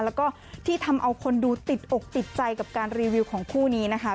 แล้วก็ที่ทำเอาคนดูติดอกติดใจกับการรีวิวของคู่นี้นะคะ